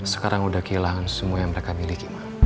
sekarang udah kehilangan semua yang mereka miliki mak